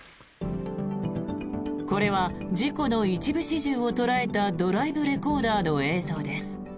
これは事故の一部始終を捉えたドライブレコーダーの映像です。